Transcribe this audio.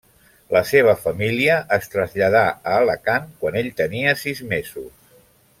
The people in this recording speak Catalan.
La seva família es traslladà a Alacant quan ell tenia sis mesos.